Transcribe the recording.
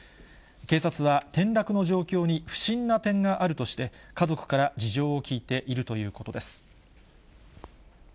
警察は、転落の状況に不審な点があるとして、家族から事情を聴いているということです。